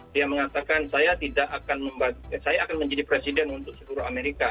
dia mengatakan saya akan menjadi presiden untuk seluruh amerika